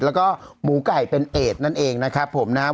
แล้วก็หมูไก่เป็นเอดนั่นเองนะครับผมนะครับ